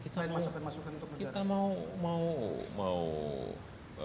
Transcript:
ketika terakhir ini banyak ketua pimpinan parpol yang datang